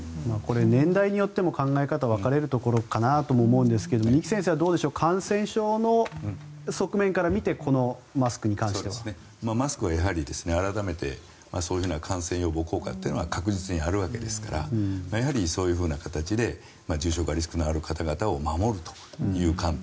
年代によっても考え方が分かれるところかなと思うんですが二木先生はどうでしょう感染症の側面から見てマスクは、やはり改めてそういう感染予防効果は確実にあるわけですからやはりそういう形で重症化リスクのある方々を守るという観点。